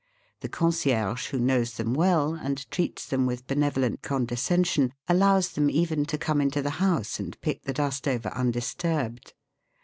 The concierge, who knows them well, and treats them with benevolent condescension, allows them even to come into the house and pick the dust over undisturbed.